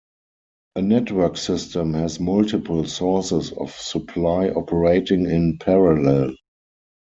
A network system has multiple sources of supply operating in parallel.